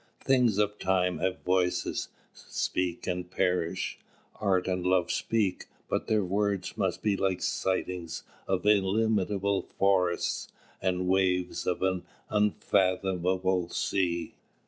"Things of Time have voices: speak and perish. Art and Love speak; but their words must be Like sighings of illimitable forests And waves of an unfathomable sea."